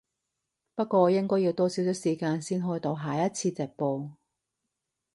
不過我應該要多少少時間先開到下一次直播